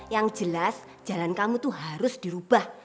yang jelas jalan kamu itu harus dirubah